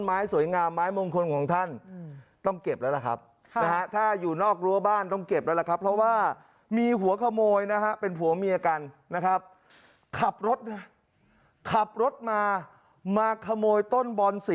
อ้อมไปแล้วอ้อมไปปั๊บไปหยิบขึ้นมาขึ้นรถ